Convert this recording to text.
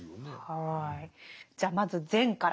はい。